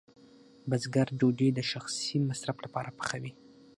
بزګر ډوډۍ د شخصي مصرف لپاره پخوي.